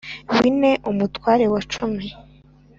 Bine umutware wa cumi